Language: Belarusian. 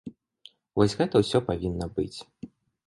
Вось гэта ўсё павінна быць.